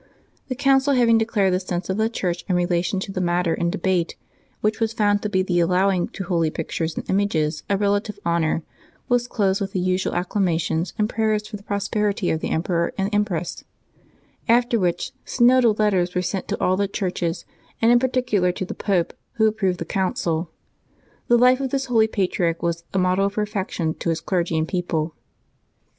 The council, having declared the sense of the Church in relation to the matter in debate, which was found to be the allowing to holy pictures and images a relative honor, was closed with the usual acclamations and prayers for the prosperity of the emperor and empress; after which, synodal letters were sent to all the churches, and in particular to the Pope, who approved the council. The life of this holy patriarch was a model of perfection to his clergy and people.